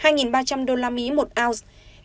hai ba trăm linh usd một ounce